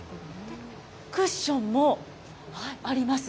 クッションもあります。